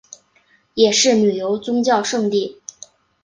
也是旅游宗教胜地。